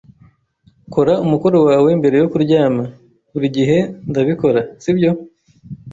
"Kora umukoro wawe mbere yo kuryama." "Buri gihe ndabikora, sibyo?"